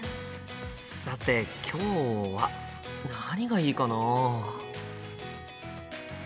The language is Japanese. さて今日は何がいいかな？